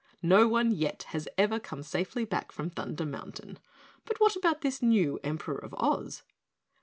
"No one yet has ever come safely back from Thunder Mountain. But what about this new Emperor of Oz?"